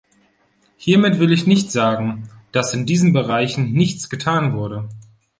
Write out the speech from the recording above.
Hiermit will ich nicht sagen, dass in diesen Bereichen nichts getan wurde.